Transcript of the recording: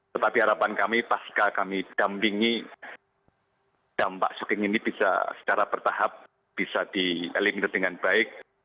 tetapi harapan kami pasca kami dampingi dampak syuting ini bisa secara bertahap bisa di eliminir dengan baik